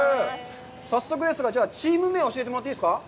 早速ですが、じゃあ、チーム名を教えてもらっていいですか？